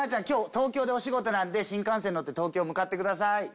今日東京でお仕事なんで新幹線に乗って東京向かってください。